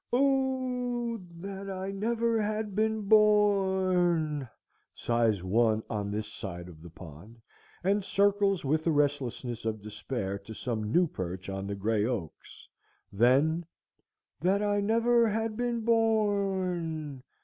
Oh o o o o that I never had been bor r r r n! sighs one on this side of the pond, and circles with the restlessness of despair to some new perch on the gray oaks. Then—_that I never had been bor r r r n!